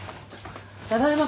ただいま。